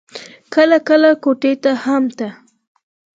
کله کله کوټې ته هم ته.